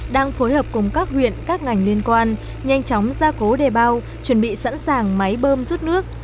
đang phối hợp cùng các huyện các ngành liên quan nhanh chóng ra cố đề bao chuẩn bị sẵn sàng máy bơm rút nước